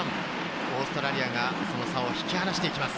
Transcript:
オーストラリアがその差を引き離していきます。